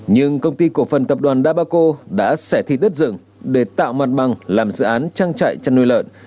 nhưng công ty cổ phần tập đoàn dabaco đã xẻ thi đất rừng để tạo mặt bằng làm dự án trang trại chăn nuôi lợn